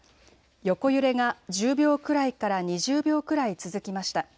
横揺れが１０秒くらいから２０秒くらい続きました。